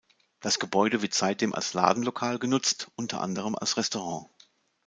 Das Gebäude wird seitdem als Ladenlokal genutzt, unter anderem als Restaurant.